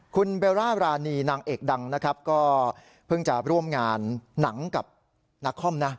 คุณเบลล่ารานีนางเอกดังนะครับก็เพิ่งจะร่วมงานหนังกับนักคอมนะ